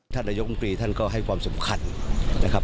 ท่านนายกลุ่มปีท่านก็ให้ความสำคัญ